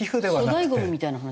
粗大ゴミみたいな話。